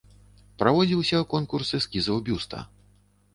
Праводзіўся конкурс эскізаў бюста.